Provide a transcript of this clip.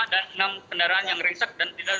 dan enam kendaraan yang rinsak dan tidak